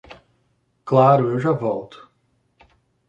Claro, eu já volto.